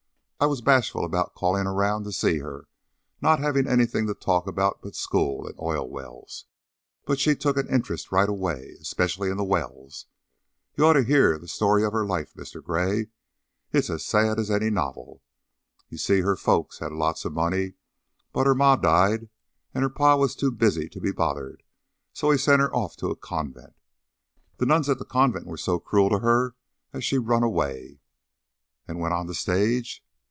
I was bashful about callin' around to see her, not havin' anything to talk about but school an' oil wells, but she took an interest right away, 'specially in the wells. You'd ought to hear the story of her life, Mr. Gray. It's as sad as any novel. You see, her folks had lots of money, but her ma died an' her pa was too busy to be bothered, so he sent her off to a convent. Them nuns at the convent was so cruel to her that she run away " "And went on the stage."